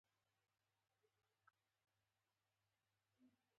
مصري بزګر په شاکړوپي حالت کې غویان کنټرولوي.